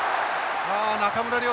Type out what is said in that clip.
あ中村亮